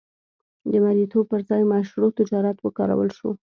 د مریتوب پر ځای مشروع تجارت وکارول شو.